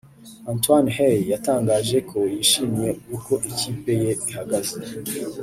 Antoine Hey yatangaje ko yishimiye uko ikipe ye ihagaze